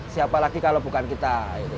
siapa lagi kalau bukan kita ini